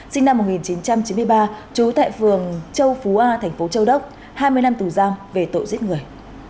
sinh năm một nghìn chín trăm chín mươi ba trú tại phường châu phú a thành phố châu đốc hai mươi năm tù giam về tội giết người